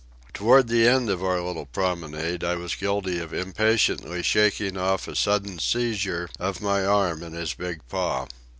Toward the end of our little promenade I was guilty of impatiently shaking off a sudden seizure of my arm in his big paw.